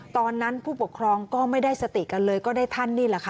ผู้ปกครองก็ไม่ได้สติกันเลยก็ได้ท่านนี่แหละค่ะ